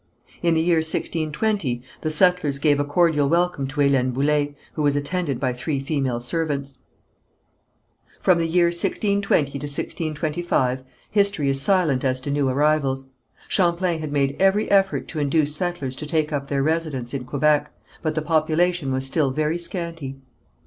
In the year 1620, the settlers gave a cordial welcome to Hélène Boullé, who was attended by three female servants. From the year 1620 to 1625, history is silent as to new arrivals. Champlain had made every effort to induce settlers to take up their residence in Quebec, but the population was still very scanty.